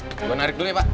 gue narik dulu ya pak